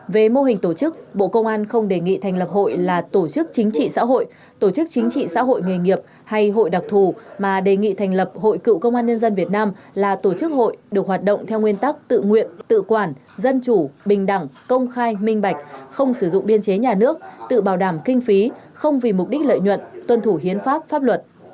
về mô hình tổ chức bộ công an không đề nghị thành lập hội là tổ chức chính trị xã hội tổ chức chính trị xã hội nghề nghiệp hay hội đặc thù mà đề nghị thành lập hội cựu công an nhân dân việt nam là tổ chức hội được hoạt động theo nguyên tắc tự nguyện tự quản dân chủ bình đẳng công khai minh bạch không sử dụng biên chế nhà nước tự bảo đảm kinh phí không vì mục đích lợi nhuận tuân thủ hiến pháp pháp luật